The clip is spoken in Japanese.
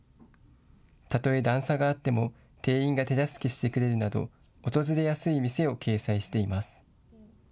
たとえ段差があっても店員が手助けしてくれるなど訪れやすい店を掲載しています。